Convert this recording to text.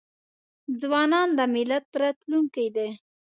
ځوانان د ملت راتلونکې دي.